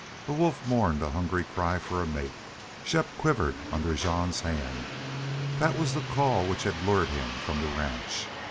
A wolf mourned a hungry cry for a mate. Shepp quivered under Jean's hand. That was the call which had lured him from the ranch.